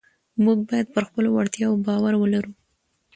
موږ باید پر خپلو وړتیاوو باور ولرو